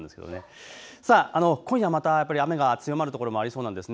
今夜また雨が強まる所がありそうなんです。